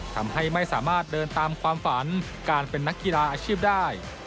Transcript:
ทำให้ไม่สามารถเดินตามความฝันการเป็นนักกีฬาอาชีพได้